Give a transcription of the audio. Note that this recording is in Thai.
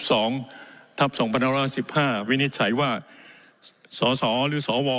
สองทับสองพันราสิบห้าวินิจัยว่าสรสรหรือสรว